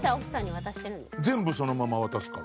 全部そのまま渡すから。